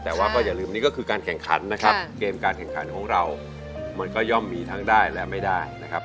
แต่ว่าก็อย่าลืมนี่ก็คือการแข่งขันนะครับเกมการแข่งขันของเรามันก็ย่อมมีทั้งได้และไม่ได้นะครับ